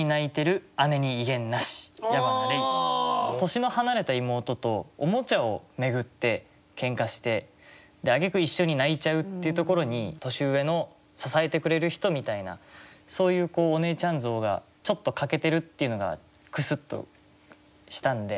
年の離れた妹とオモチャを巡ってケンカしてあげく一緒に泣いちゃうっていうところに年上の支えてくれる人みたいなそういうお姉ちゃん像がちょっと欠けてるっていうのがクスッとしたんで。